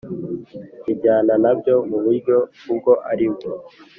bijyana na byo mu buryo ubwo ari bwo